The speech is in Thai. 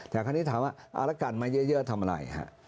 แต่คราวนี้ถามว่าเอาละกันมาเยอะทำอะไรฮะ